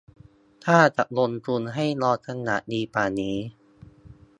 ถ้าจะลงทุนให้รอจังหวะดีกว่านี้